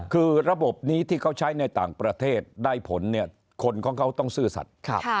คือระบบนี้ที่เขาใช้ในต่างประเทศได้ผลเนี่ยคนของเขาต้องซื่อสัตว์